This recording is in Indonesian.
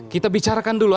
kita bicarakan dulu